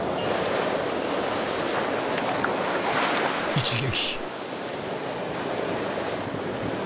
一撃。